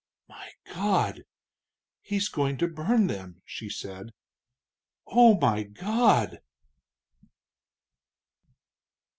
"My God! he's goin' to burn them!" she said. "Oh, my God!"